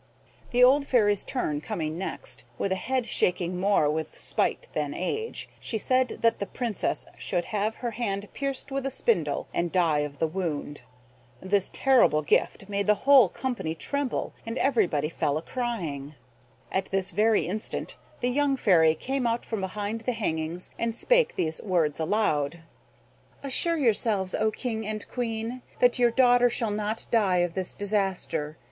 The old Fairy's turn coming next, with a head shaking more with spite than age, she said that the Princess should have her hand pierced with a spindle and die of the wound. This terrible gift made the whole company tremble, and everybody fell a crying. At this very instant the young Fairy came out from behind the hangings, and spake these words aloud: "Assure yourselves, O King and Queen, that your daughter shall not die of this disaster.